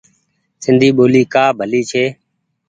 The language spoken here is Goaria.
سندي ٻولي ڪآ ڀلي ڇي۔